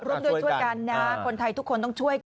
ร่วมด้วยช่วยกันนะคนไทยทุกคนต้องช่วยกัน